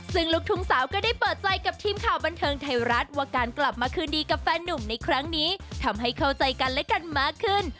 ซึ่งลูกทุ่งสาวก็ได้เปิดใจกับทีมข่าวบันเทิงไทยรัฐว่าการกลับมาคืนดีกับแฟนนุ่มในครั้งนี้ทำให้เข้าใจกันและกันมากขึ้น